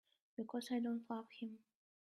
Because I don't love him.